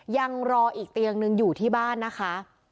ยังรออีกเตียงนึงอยู่ที่บ้านนะคะ